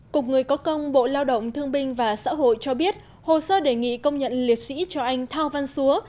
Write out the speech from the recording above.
cục người có công bộ lao động thương binh và xã hội cho biết hồ sơ đề nghị công nhận liệt sĩ cho anh thao văn xúa